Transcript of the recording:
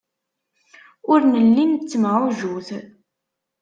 Ur nelli nettemɛujjut.